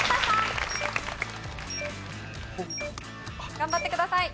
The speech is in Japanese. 頑張ってください。